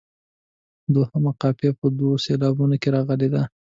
دوهمه قافیه په دوو سېلابونو کې راغلې ده.